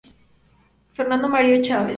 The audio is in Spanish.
Fernando Mario Chávez.